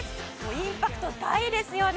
インパクト大ですよね。